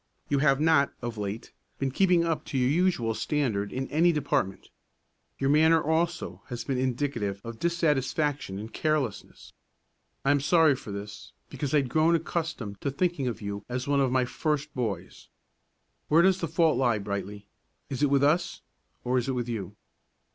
You have not, of late, been keeping up to your usual standard in any department; your manner also has been indicative of dissatisfaction and carelessness. I am sorry for this, because I had grown accustomed to thinking of you as one of my first boys. Where does the fault lie, Brightly? Is it with us, or is it with you?"